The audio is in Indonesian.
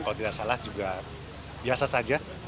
kalau tidak salah juga biasa saja